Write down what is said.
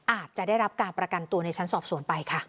อาจจะได้รับการประกันตัวในชั้นสอบสวนไปค่ะ